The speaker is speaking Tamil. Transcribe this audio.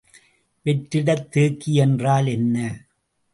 வெற்றிடத் தேக்கி என்றால் என்ன?